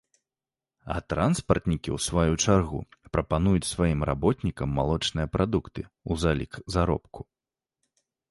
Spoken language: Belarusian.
А транспартнікі ў сваю чаргу прапануюць сваім работнікам малочныя прадукты ў залік заробку.